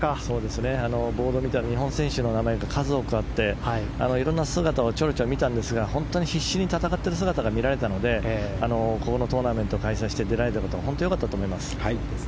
ボードを見たら日本人選手の名前が数多くあって色んな姿を見たんですが本当に必死に戦っている姿が見られたのでこのトーナメントを開催して出られたことはとてもよかったと思います。